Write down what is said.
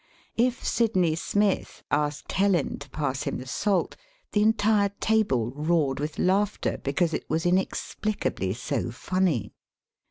If Sidney Smith asked Helen to pass him the salt, the entire table roared with laughter because it was inex plicably so funny.